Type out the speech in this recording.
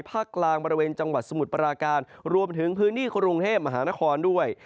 กลางบริเวณจังหวัดสมุทรปราการรวมถึงพื้นที่กรุงเทพมหานครด้วย